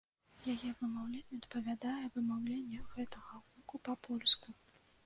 Яе вымаўленне адпавядае вымаўленне гэтага гуку па-польску.